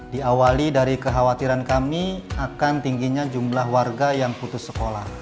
diawali dari kekhawatiran kami akan tingginya jumlah warga yang putus sekolah